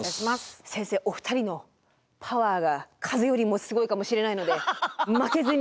先生お二人のパワーが風よりもすごいかもしれないので負けずに。